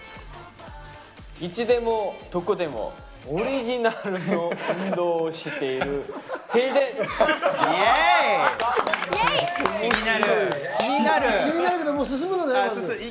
いつでもどこでもオリジナルの運動をしているテイルです。